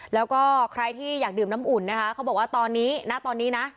แล้วก็ใครที่อยากดื่มน้ำอุ่นนะคะเขาบอกว่าตอนนี้ณตอนนี้นะ